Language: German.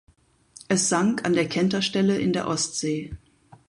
Es sank an der Kenterstelle in der Ostsee.